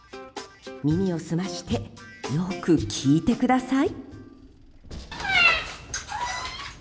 耳を澄ましてよく聞いてください。